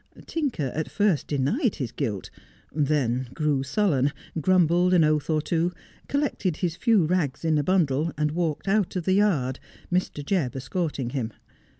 Tinker at first denied his guilt, then grew sullen, grumbled an oath or two, collected his few rags in a bundle, and walked out of the yard, Mr. Jebb escorting him.